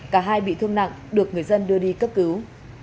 cả hai bị thương nặng được người dân đưa đi cấp cứu